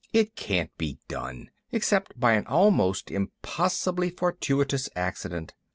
"It can't be done, except by an almost impossibly fortuitous accident.